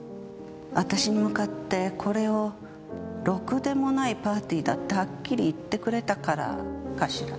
私に向かってこれをろくでもないパーティーだってはっきり言ってくれたからかしら。